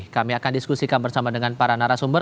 kami akan diskusikan bersama dengan para narasumber